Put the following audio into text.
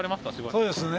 そうですね。